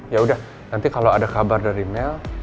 yaudah nanti kalo ada kabar dari mel